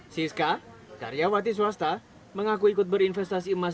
siska karyawati swasta mengaku ikut berinvestasi emas